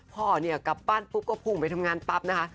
พ่อกลับบ้านก็พุ่งไปทำงานปั๊บนะคะ